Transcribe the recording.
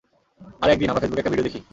আর একদিন, আমরা ফেসবুকে একটা ভিডিও দেখি।